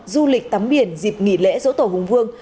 du lịch tắm biển dịp nghỉ lễ dỗ tổ hùng vương